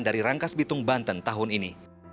dari rangkas bitung banten tahun ini